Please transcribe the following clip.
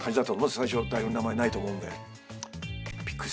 最初、台本に名前がないと思うんで。